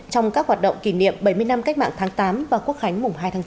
trong các hoạt động kỷ niệm bảy mươi năm cách mạng tháng tám và quốc khánh mùng hai tháng chín